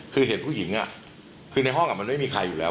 คือเห็นผู้หญิงคือในห้องมันไม่มีใครอยู่แล้ว